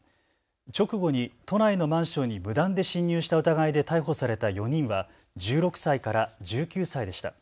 直後に都内のマンションに無断で侵入した疑いで逮捕された４人は１６歳から１９歳でした。